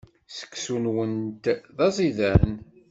Seksu-nwent d aẓidan.